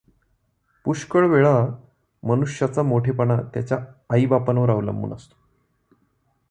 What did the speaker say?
पुष्कळ वेळा मनुष्याचा मोठेपणा त्याच्या आईबापांवर अवलंबून असतो.